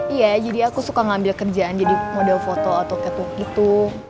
iya jadi aku suka ngambil kerjaan jadi model foto otot ketuk gitu